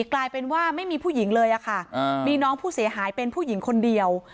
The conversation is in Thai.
กลายเป็นว่าไม่มีผู้หญิงเลยค่ะมีน้องผู้เสียหายเป็นผู้หญิงคนเดียว